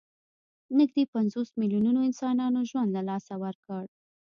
نږدې پنځوس میلیونو انسانانو ژوند له لاسه ورکړ.